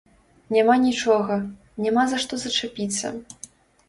Няма нічога, няма за што зачапіцца.